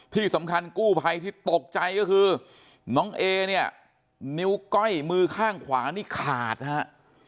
ที่สำคัญกู้ภัยที่ตกใจก็คือน้องเอเนี่ยนิ้วก้อยมือข้างขวานี่ขาดฮะ